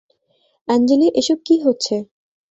আঞ্জলি এসব কি হচ্ছে?